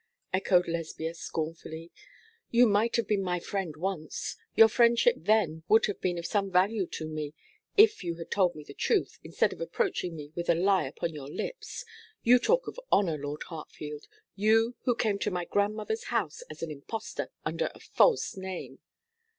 echoed Lesbia, scornfully. 'You might have been my friend once. Your friendship then would have been of some value to me, if you had told me the truth, instead of approaching me with a lie upon your lips. You talk of honour, Lord Hartfield; you, who came to my grandmother's house as an impostor, under a false name!'